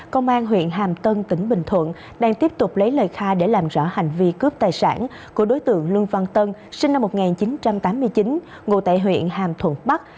công an huyện hàm tân tỉnh bình thuận đang tiếp tục lấy lời khai để làm rõ hành vi cướp tài sản của đối tượng lương văn tân sinh năm một nghìn chín trăm tám mươi chín ngụ tại huyện hàm thuận bắc